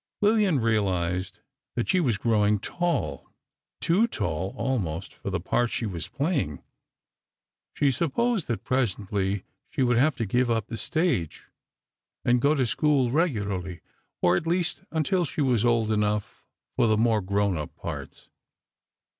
Lillian realized that she was growing tall ... too tall, almost, for the parts she was playing. She supposed that presently she would have to give up the stage, and go to school regularly, or at least until she was old enough for the more grown up parts.